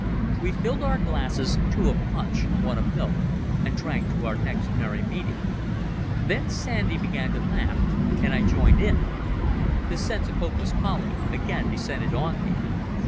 We filled our glasses—two of punch and one of milk—and drank to our next merry meeting. Then Sandy began to laugh, and I joined in. The sense of hopeless folly again descended on me.